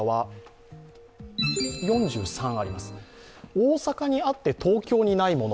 大阪にあって、東京にないもの、